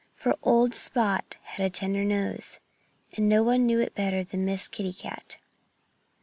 For old Spot had a tender nose. And no one knew it better than Miss Kitty Cat.